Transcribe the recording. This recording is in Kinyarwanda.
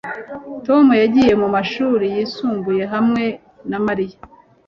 Tom yagiye mu mashuri yisumbuye hamwe na Mariya